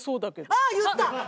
ああ言った！